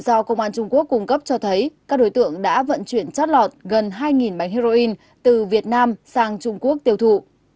do công an trung quốc cung cấp cho thấy các đối tượng đã vận chuyển chót lọt gần hai bánh heroin từ việt nam sang trung quốc tiêu thụ